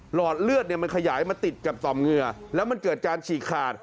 หอดเลือดเนี่ยมันขยายมาติดกับต่อมเหงื่อแล้วมันเกิดการฉีกขาด